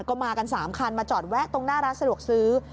ก็มากัน๓คันมาจอดแวะตรงหน้าร้านสะดวกซื้อ